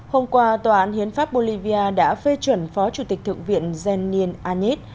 hôm qua tòa án hiến pháp bolivia đã phê chuẩn phó chủ tịch thượng viện zanin anet